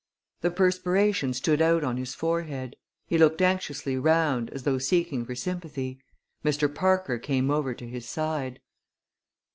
The perspiration stood out on his forehead. He looked anxiously round, as though seeking for sympathy. Mr. Parker came over to his side.